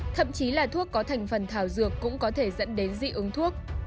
thậm chí là thuốc có thành phần thảo dược cũng có thể dẫn đến dị ứng thuốc